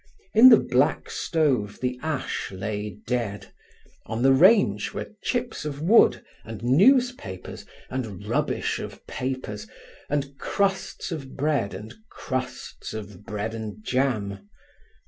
In the black stove the ash lay dead; on the range were chips of wood, and newspapers, and rubbish of papers, and crusts of bread, and crusts of bread and jam.